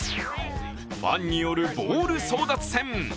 ファンによるボール争奪戦。